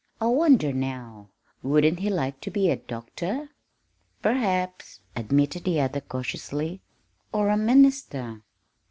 I wonder, now, wouldn't he like to be a doctor?" "Perhaps," admitted the other cautiously, "or a minister."